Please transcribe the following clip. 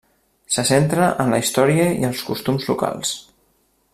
Se centra en la història i els costums locals.